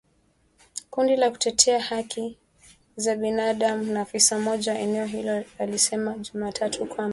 Kundi la kutetea haki za binadamu na afisa mmoja wa eneo hilo alisema Jumatatu kwamba.